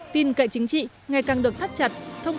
tin cậy chính trị ngày càng được thắt chặt